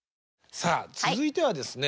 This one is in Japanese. さあ続いてはですね